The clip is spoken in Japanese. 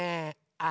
あ！